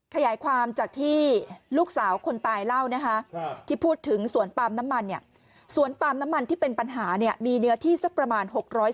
ขยายความจากที่ลูกสาวคนตายเล่านะคะที่พูดถึงสวนปาล์มน้ำมันเนี่ยสวนปามน้ำมันที่เป็นปัญหาเนี่ยมีเนื้อที่สักประมาณ๖๐